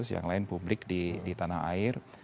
yang lain publik di tanah air